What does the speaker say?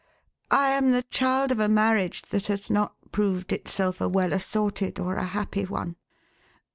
I am the child of n, marriage that has not proved HER SOX. 469 itself a well assorted or a happy one.